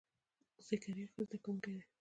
ذکریا ښه زده کونکی دی.